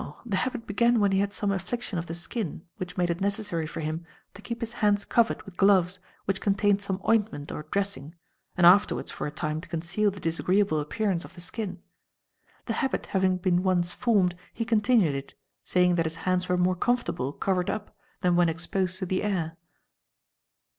The habit began when he had some affliction of the skin, which made it necessary for him to keep his hands covered with gloves which contained some ointment or dressing, and afterwards for a time to conceal the disagreeable appearance of the skin. The habit having been once formed, he continued it, saying that his hands were more comfortable covered up than when exposed to the air."